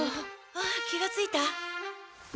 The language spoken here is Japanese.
あっ気がついた。